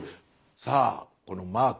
さあこのマーク。